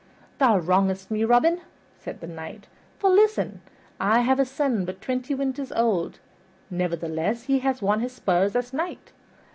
"Thou wrongest me, Robin," said the Knight, "for listen: I have a son but twenty winters old, nevertheless he has won his spurs as knight.